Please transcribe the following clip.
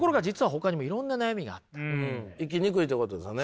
生きにくいということですね。